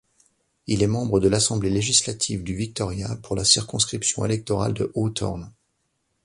Il est membre de l'Assemblée législative du Victoria pour la circonscription électorale de Hawthorn.